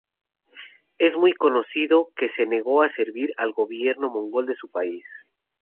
Es muy conocido que se negó a servir al gobierno mongol de su país.